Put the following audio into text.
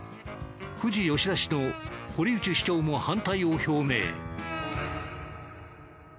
富士吉田市の堀内市長も反対を表明。